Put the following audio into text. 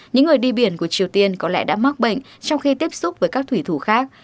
những người đi biển của triều tiên có lẽ đã mắc bệnh trong khi tiếp xúc với các thủy thủ khác